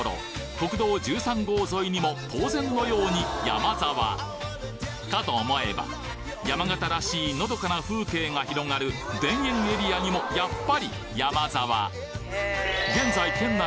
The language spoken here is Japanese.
国道１３号沿いにも当然のようにヤマザワかと思えば山形らしいのどかな風景が広がる田園エリアにもやっぱりヤマザワ！